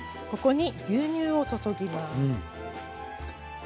ここに牛乳を注ぎます。